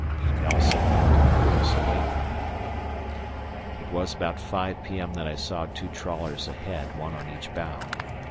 I also altered course away from him. It was about 5 p.m. that I saw two trawlers ahead, one on each bow.